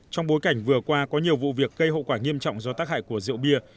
trong bối cảnh vừa qua có nhiều vụ việc gây hậu quả nghiêm trọng do tác hại của rượu bia